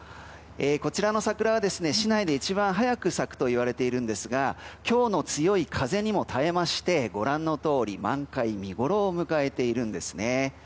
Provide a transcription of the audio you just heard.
こちらの桜は市内で一番早く咲くといわれているんですが今日の強い風にも耐えましてご覧のとおり満開見ごろを迎えているんですね。